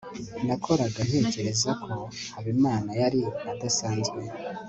nahoraga ntekereza ko habimana yari adasanzwe